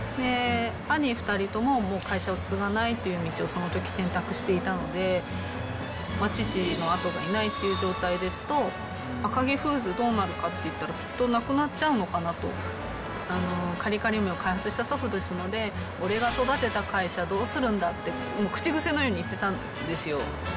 兄２人とも、もう会社を継がないという道を、そのとき選択していたので、父の後がいないっていう状態ですと、赤城フーズどうなるかっていったら、きっとなくなっちゃうのかなと、カリカリ梅を開発した祖父ですので、俺が育てた会社どうするんだって、口癖のように言ってたんですよ。